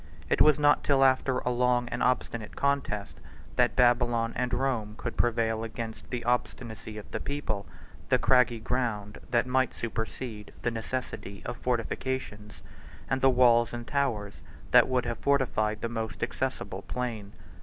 It was not till after a long and obstinate contest that Babylon and Rome could prevail against the obstinacy of the people, the craggy ground that might supersede the necessity of fortifications, and the walls and towers that would have fortified the most accessible plain.